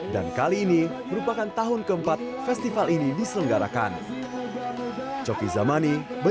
dan kali ini merupakan tahun keempat festival ini diselenggarakan